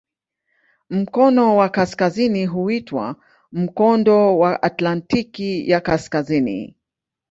Mkono wa kaskazini huitwa "Mkondo wa Atlantiki ya Kaskazini".